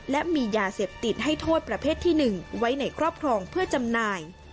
และมียาเสพติดให้โทษประเภทที่๑ไว้ในครอบครองเพื่อจำหน่าย